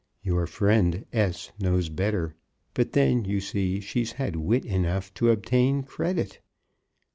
Your friend S. knows better; but then you see she's had wit enough to obtain credit.